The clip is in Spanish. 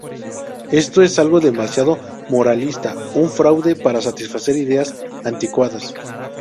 Esto es algo demasiado moralista, un fraude para satisfacer ideas anticuadas.